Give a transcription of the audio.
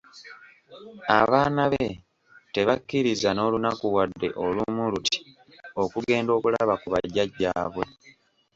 Abaana be tabakkiriza n'olunaku wadde olumu luti okugenda okulaba ku bajjajjaabwe.